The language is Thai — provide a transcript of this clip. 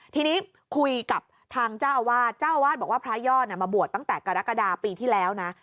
ทีนี้คุยกับทางเจ้าอาวาสเจ้าอาวาสบอกว่าพระยอดมาบวชตั้งแต่กรกฎาปีที่แล้วนะ